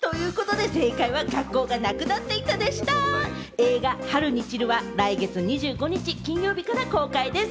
映画『春に散る』は来月２５日金曜日から公開でぃす。